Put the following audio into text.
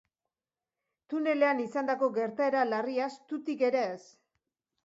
Tunelean izandako gertaera larriaz tutik ere ez.